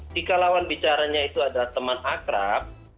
jika lawan bicaranya itu adalah teman akrab